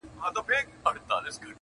د سیالانو سره کله به سمېږې,